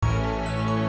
udah pake pake pake